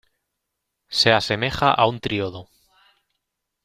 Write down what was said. Se asemeja a un triodo.